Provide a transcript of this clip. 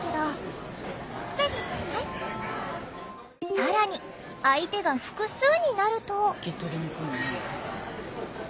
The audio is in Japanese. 更に相手が複数になると。